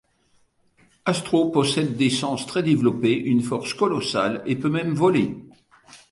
Astro possède des sens très développés, une force colossale et peut même voler.